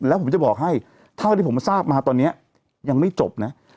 แล้วผมจะบอกให้เท่าที่ผมทราบมาตอนนี้ยังไม่จบนะ